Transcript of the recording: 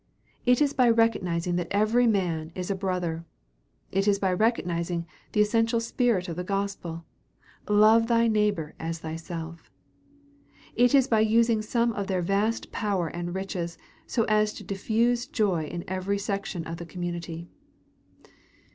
It is by recognizing that every man is a brother. It is by recognizing the essential spirit of the gospel, "Love thy neighbor as thyself." It is by using some of their vast power and riches so as to diffuse joy in every section of the community.